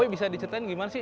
bisa diceritain gimana sih